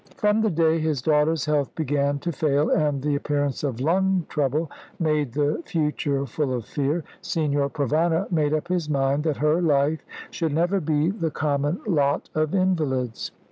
From the day his daughter's health began to fail, and the appearance of lung trouble made the future full of fear, Signor Provana made up his mind that her life should never be the common lot of invalids.